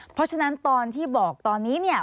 เพราะฉะนั้นตอนที่บอกตอนนี้เนี่ย